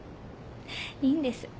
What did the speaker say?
いいんです。